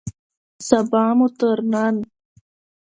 سبا مو تر نن